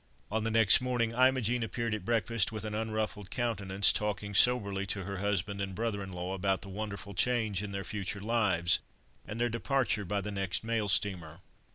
On the next morning Imogen appeared at breakfast with an unruffled countenance, talking soberly to her husband and brother in law about the wonderful change in their future lives, and their departure by the next mail steamer.